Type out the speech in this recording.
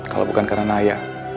kalau bukan karena naya